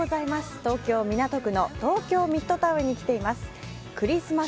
東京・港区の東京ミッドタウンに来ています。